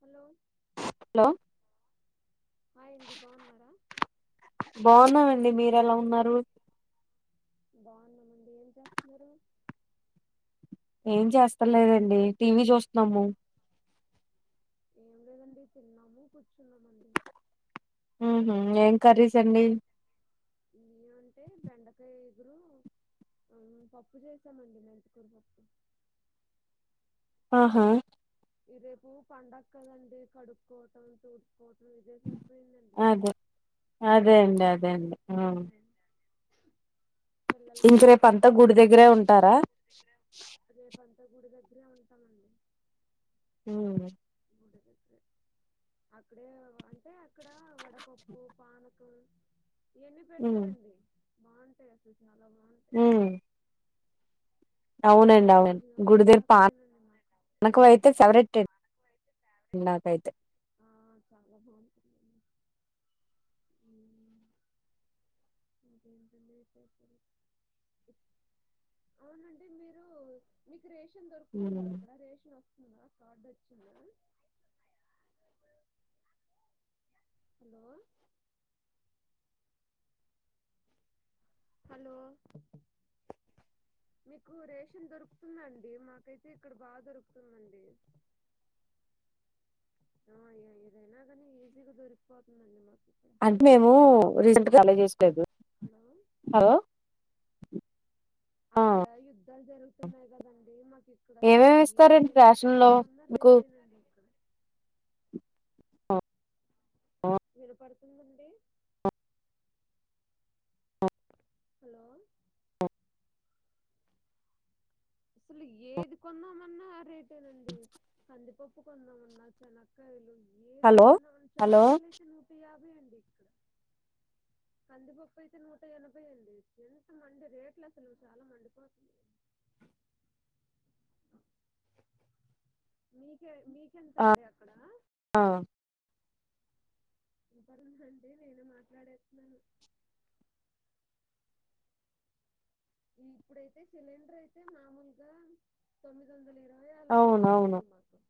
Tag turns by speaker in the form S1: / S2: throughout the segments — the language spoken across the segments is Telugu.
S1: హలో
S2: హలో
S1: హాయ్ అండి బాగున్నారా
S2: బాగున్నామండి మీరు ఎలా ఉన్నారు
S1: బాగున్నామండి ఏం చేస్తున్నారు
S2: ఏం చేస్తలేదండి టీవీ చూస్తున్నాము
S1: ఏం లేదండి తిన్నాము కూర్చున్నామండి
S2: ఉ ఏం కర్రీస్ అండి
S1: న అంటే బెండకాయ ఎగురు పప్పు చేసామండి మెంటకూరు పప్పు
S2: ఆహా
S1: రేపూ పండుగ కదండి కడుక్కోవడం తుడుచు రోజు ఇదే సరిపోయింది
S2: అదే అదే అండి అదే అండి ఆ
S1: అండి హు పిల్లలకి
S2: ఇంక రేపు అంతా
S1: స్నానాలు
S2: గుడి దగ్గరే ఉంటారా
S1: రేపు అంతా తా గుడి దగ్గర ఉంటామండి
S2: హు
S1: అక్కడే అంటే ఇక్కడ వడపప్పు పాన కం ఇవన్ని పెడతారండి. బాగుంటాయి అసలు చాలా బాగు
S2: హు
S1: మళ్ళీ
S2: అవునండి అవును
S1: భోజనాలు
S2: గుడి
S1: కూడా
S2: దగ్గర
S1: అక్కడేనండి మాకు
S2: పానకం అయితే ఫెవరెట్ అండీ నాకైతే
S1: ఆ, చాలా బాగుంటుంది అండి హు అదేంటండి అవునండి మీరు రేషన్ దొకుతుందా
S2: ఉమ్
S1: అక్కడ రేషన్ కార్డు వచ్చిందా హలో హలో మీకు రేషన్ దొరుకుతుందండి మాకైతే ఇక్కడ బాగా దొరుకుతుందండి. ఆ ఏదైనా కానీ ఈజీగా దొరికిపోతుందండి మాకు ఇక్కడ
S2: అంటే మేము రీసెంట్గా కాలి చేసినం
S1: హలో
S2: హలో ఆ
S1: అక్కడ యుద్ధాలు జరుగుతున్నాయి కదండి మాకు ఇక్కడ అసలు
S2: ఏమేమి
S1: ఏ
S2: ఇస్తారండి
S1: ఎమాన్న
S2: రేషన్ లో
S1: కొందా మన్నా
S2: మీకు
S1: రేటెనండి ఇక్కడ
S2: ఆ
S1: విన ప హలో అసలు ఏది కొందామన్నా రేటేనండి కందిపప్పు కొందామన్నా చెనక్కలు ఏది
S2: హలో
S1: కొన్నా
S2: హలో
S1: చెనక్కాయలు అయితే నూట యాభై ఎక్కువే అండి ఇక్కడ కందిపప్పు అయితే నూట ఎనభై అండి ఎంత మండే రేట్లు అసలు చాలా మండిపోతున్నాయి మీకే
S2: ఆ
S1: మీకెంతండి అక్కడ [inaudible] నేనే మాట్లాడేస్తున్నాను ఇప్పుడైతే సిలిండర్ అయితే మామూలుగా తొమ్మిది వందల ఇరవ అయ అలా
S2: అవునవును
S1: దొరికేదండి మాకు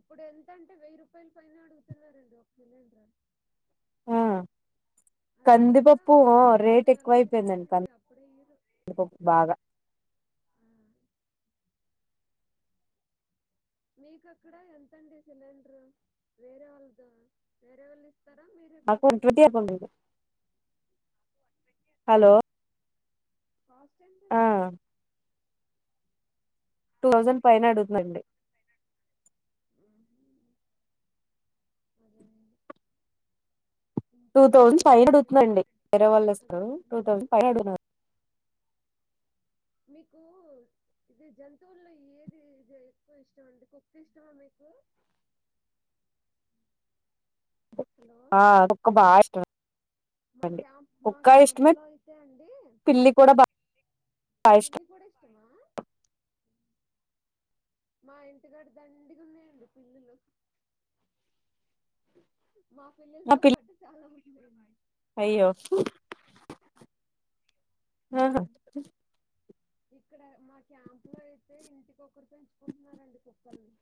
S1: ఇప్పుడు ఎంతంటే వెయ్యి రూపాయలు పైన అడుగుతున్నారండి ఒక సిలిండర్
S2: ఆ
S1: అది కాక
S2: కందిపప్పు
S1: బుక్ చేసి
S2: రేట్
S1: నెలకి
S2: ఎక్కువైపోయిందండి
S1: ఇస్తారండి అప్పుడే ఈరు
S2: కందిపప్పు బాగా
S1: మీక అక్కడ ఎంతండి సిలిండర్ వేరే వాళ్ళదు వేరే వాళ్ళు ఇస్తారా మీరే కొనుక్కుంటారా
S2: [unintelligible] హలో
S1: ఆ
S2: ఆ టూ థౌజండ్ పైన అడుగుతుందండి
S1: అదేండి
S2: టూ థౌజండ్ ఫైవ్ అగుతుందండి వేరే వాళ్ళు
S1: అదే
S2: వస్తారు టూ
S1: హలో
S2: థౌసండ్ ఫైవ్ అన్నారు
S1: మీకు ఇది జంతువుల్లో ఏదిది ఎక్కువ ఇష్టం అండి కుక్క ఇష్టమా మీకు హలో
S2: ఆ కుక్క బాగా ఇష్టం
S1: మా
S2: అండి
S1: క్యాంప్ మా
S2: కుక్క ఇష్టమే
S1: క్యాంపు లో అయితే అండి
S2: పిల్లి కూడా బాగా
S1: పిన్ని
S2: ఇష్టం
S1: కూడా ఇష్టమా మా ఇంటికాడ దండిగా ఉన్నాయి అండి పిలిలు
S2: నా
S1: మాఫిలీలతో
S2: పిల్లి
S1: పాటు చాలా
S2: అయ్యో ఆహా
S1: ఉమ్. ఇక్కడ మా క్యాంప్ లో అయితే ఇంటికక్కరు పెంచుకుంటున్నారండి కుక్కలని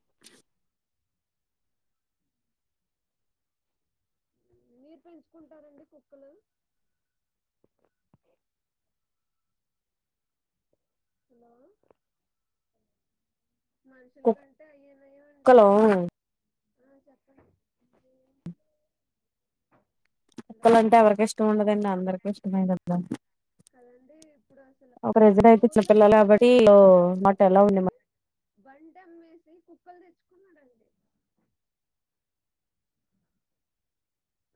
S1: మీరు పెంచుకుంటారండి కుక్కలు హలో మనుషుల కంటే అయ్యేనమ్ అండి
S2: కుక్కలు
S1: ఇప్పుడు ఆ చెప్పండి హలో
S2: కుక్కలంటే ఎవరికి ఇష్టం ఉండదండి అందరిక ఇష్టమే కదా
S1: ప్పుడుస మా
S2: పిల్లలు
S1: వింత
S2: కాబట్టి లో మాట్ ఎలా ఉండే మ
S1: వంట అమ్మేసి కుక్కలు తెచ్చుకున్నారండి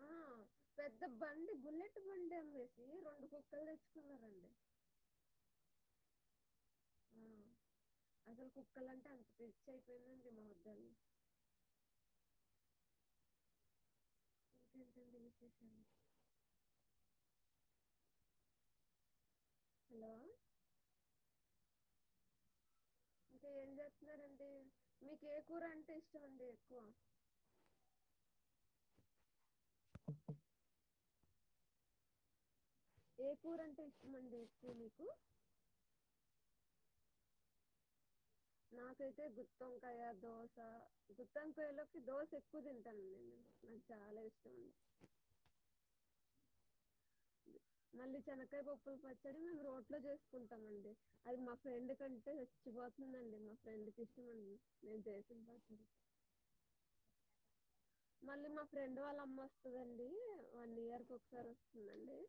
S1: ఆ పెద్ద బండి బుల్లెట్ బండి అమ్మేసి రెండు కుక్కలు తెచ్చుకున్నారండి. ఇంకెంతంది విశేషం హలో అంటే ఏం చేస్తున్నంటే మీకు ఏ కూర అంటే ఇష్టం అండి ఎక్కువ ఏ కూర అంటే ఇష్టమండిూ మీకు నాకైతే గుత్తంకాయ దోశ గుత్తంకాయలోకి దోశ ఎక్కువ తింటానండి నేను నాకు చాలా ఇష్టం అండి మళ్ళీ చెనకాయ పప్పులు పచ్చడి మేము రోడ్లో చేసుకుంటాం అండి, అది మా ఫ్రెండ్ కంటే చచ్చిపోతుందండి మా ఫ్రెండ్ క ఇష్టమ మే చేస మళ్ళీ మా ఫ్రెండ్ వాళ్ళ అమ్మ వస్తుందండి వన్ ఇయర్కి ఒకసారి వస్తుందండి